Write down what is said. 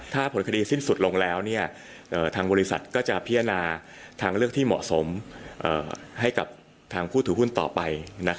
ถ้าผลคดีสิ้นสุดลงแล้วทางบริษัทก็จะพิจารณาทางเลือกที่เหมาะสมให้กับทางผู้ถือหุ้นต่อไป